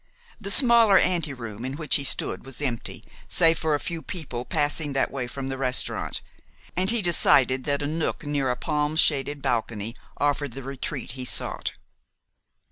The smaller anteroom in which he stood was empty, save for a few people passing that way from the restaurant, and he decided that a nook near a palm shaded balcony offered the retreat he sought.